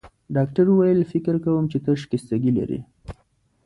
ډاکټر وویل: فکر کوم چي ته شکستګي لرې.